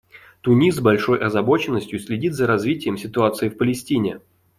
Тунис с большой озабоченностью следит за развитием ситуации в Палестине.